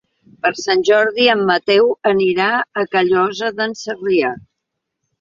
Per Sant Jordi en Mateu anirà a Callosa d'en Sarrià.